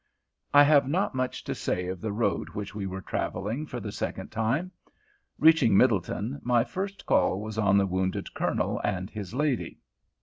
I have not much to say of the road which we were travelling for the second time. Reaching Middletown, my first call was on the wounded Colonel and his lady.